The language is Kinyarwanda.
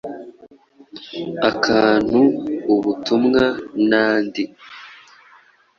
akantu, ubutumwa n’andi.